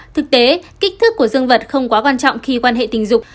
thực tế kích thức của dương vật không quá quan trọng khi quan hệ tình dục